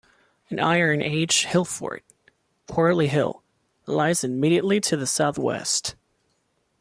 An Iron Age hillfort, Quarley Hill, lies immediately to the southwest.